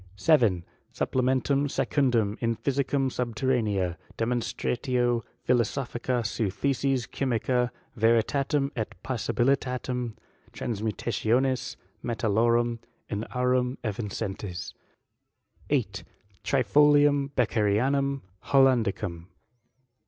7. Supplementum secundum in Physicam subter raneam, demonstratio philosophica seu Theses Chy micee, veiitatem et possibilitatem transmutationis me* taUorum in aurum erincentes. 8. Trifolium Beccherianum Hollandicum.